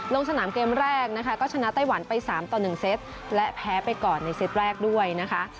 ลงสนามเกมแรกนะคะก็ชนะไต้หวันไป๓ต่อ๑เซตและแพ้ไปก่อนในเซตแรกด้วยนะคะ